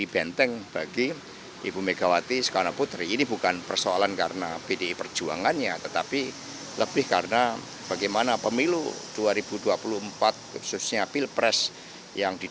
bagaimana cara membuat lebaran